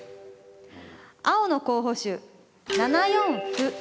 青の候補手７四歩。